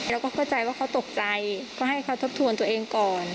เราก็เข้าใจว่าเขาตกใจก็ให้เขาทบทวนตัวเองก่อน